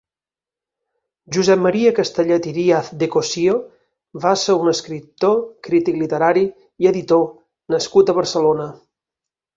Josep Maria Castellet i Díaz de Cossío va ser un escriptor, crític literari i editor nascut a Barcelona.